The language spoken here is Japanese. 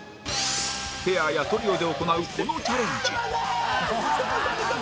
ペアやトリオで行うこのチャレンジ